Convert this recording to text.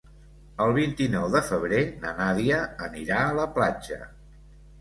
El vint-i-nou de febrer na Nàdia anirà a la platja.